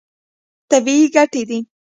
طبیعي ګټې دي.